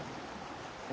え？